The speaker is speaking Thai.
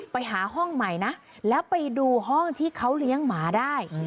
ไปหาห้องใหม่นะแล้วไปดูห้องที่เขาเลี้ยงหมาได้